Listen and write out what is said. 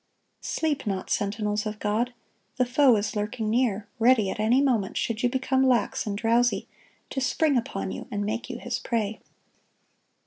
Sleep not, sentinels of God; the foe is lurking near, ready at any moment, should you become lax and drowsy, to spring upon you and make you his prey.